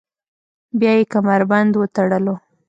بیا یې کمربند وتړلو.